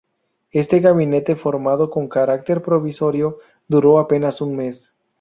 Este gabinete, formado con carácter provisorio, duró apenas un mes.